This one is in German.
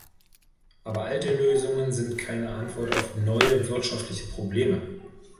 Aber alte Lösungen sind keine Antwort auf neue wirtschaftliche Probleme.